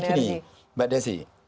jadi gini mbak desi